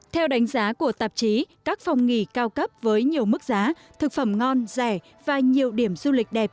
theo đánh giá của tạp chí các phòng nghỉ cao cấp với nhiều mức giá thực phẩm ngon rẻ và nhiều điểm du lịch đẹp